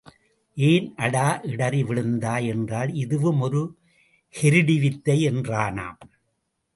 ஏன் அடா இடறி விழுந்தாய் என்றால் இதுவும் ஒரு கெருடி வித்தை என்றானாம்.